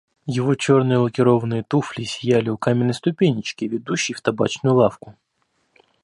Его чёрные лакированные туфли сияли у каменной ступенечки, ведущей в табачную лавку.